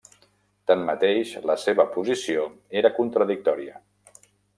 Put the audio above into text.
Tanmateix, la seva posició era contradictòria.